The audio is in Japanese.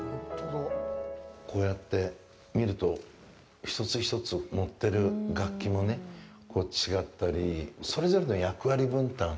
こうやってみると一つ一つ持ってる楽器もね、違ったりそれぞれの役割分担。